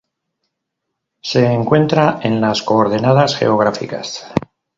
Se encuentra en las coordenadas geográficas